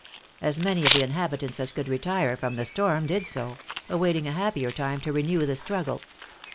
As many of the inhabitants as could retire from the storm did so, awaiting a happier time to renew the struggle.